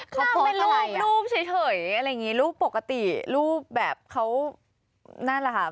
เขาโพสต์อะไรอย่างงี้รูปปกติรูปแบบเขานั่นแหละค่ะ